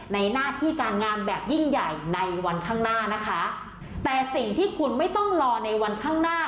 หน้าที่การงานแบบยิ่งใหญ่ในวันข้างหน้านะคะแต่สิ่งที่คุณไม่ต้องรอในวันข้างหน้า